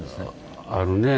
あるねえ。